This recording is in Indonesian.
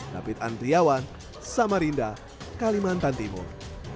david andriawan samarinda kalimantan timur